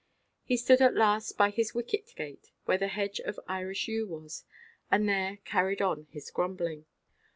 He stood at last by his wicket gate, where the hedge of Irish yew was, and there carried on his grumbling.